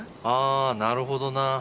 ああなるほどな。